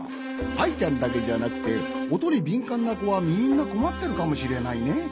アイちゃんだけじゃなくておとにびんかんなこはみんなこまってるかもしれないね。